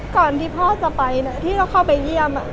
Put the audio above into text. ก่อนที่พ่อจะไปที่เราเข้าไปเยี่ยม